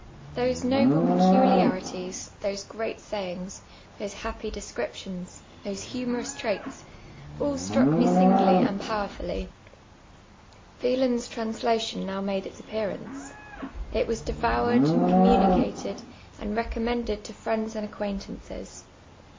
Those noble peculiarities, those great sayings, those happy descriptions, those humorous traits — all struck me singly and powerfully. Wieland's translation now made its appearance. It was INFLUENCE OF SHAKSPEARE. 427 deYOured, communicated and recommended to friends and acquaintances.